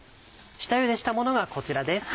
下ゆでしたものがこちらです。